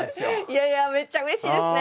いやいやめっちゃうれしいですね